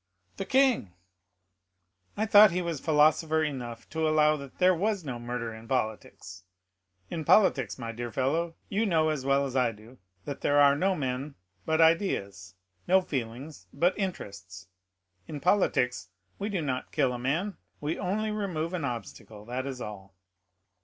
"The king! I thought he was philosopher enough to allow that there was no murder in politics. In politics, my dear fellow, you know, as well as I do, there are no men, but ideas—no feelings, but interests; in politics we do not kill a man, we only remove an obstacle, that is all.